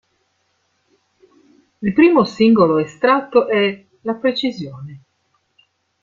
Il primo singolo estratto è "La precisione".